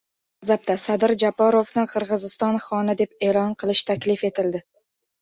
Xalq g‘azabda: Sadir Japarovni Qirg‘iziston xoni deb e’lon qilish taklif etildi